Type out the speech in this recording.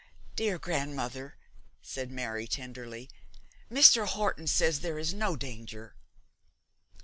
'Dear grandmother,' said Mary, tenderly, 'Mr. Horton says there is no danger.'